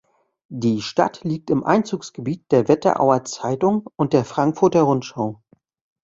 Die Stadt liegt im Einzugsgebiet der Wetterauer Zeitung und der Frankfurter Rundschau.